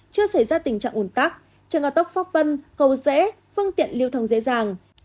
chưa xảy ra tình trạng un tắc trường hợp tốc phóc vân cầu dễ phương tiện liêu thông dễ dàng